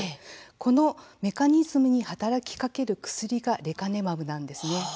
このメカニズムに働きかける薬がレカネマブなんですね。